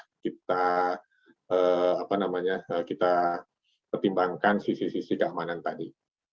sudah kita apa namanya kita ketimbangkan sisi sisi keamanan tadi